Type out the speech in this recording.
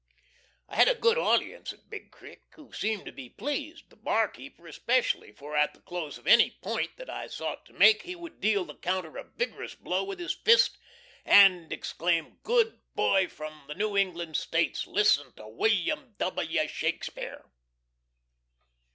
I had a good audience at Big Creek, who seemed to be pleased, the bar keeper especially; for at the close of any "point" that I sought to make he would deal the counter a vigorous blow with his fist, and exclaim, "Good boy from the New England States! listen to William W. Shakespeare!"